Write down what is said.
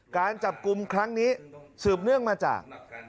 การจับกลุ่มครั้งนี้สืบเนื่องมาจาก